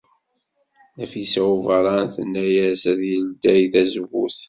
Nafisa n Ubeṛṛan tenna-as ad yeldey tazewwut.